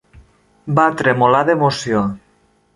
Va tremolar d'emoció.